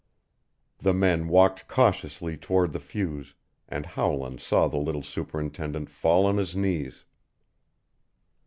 The men walked cautiously toward the fuse, and Howland saw the little superintendent fall on his knees.